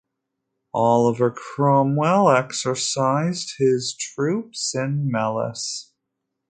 Oliver Cromwell exercised his troops in Mellis.